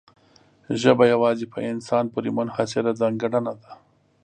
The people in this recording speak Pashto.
ژبه یوازې په انسان پورې منحصره ځانګړنه ده.